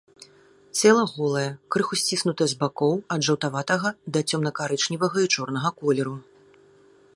Цела голае, крыху сціснутае з бакоў, ад жаўтаватага да цёмна-карычневага і чорнага колеру.